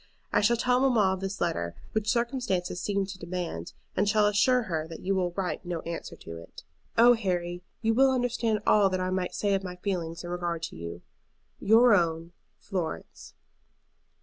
I shall tell mamma of this letter, which circumstances seem to demand, and shall assure her that you will write no answer to it. "Oh, Harry, you will understand all that I might say of my feelings in regard to you. "Your own, FLORENCE."